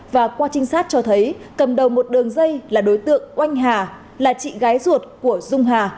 và qua trinh sát cho thấy cầm đầu một đường dây là đối tượng oanh hà là chị gái ruột của dung hà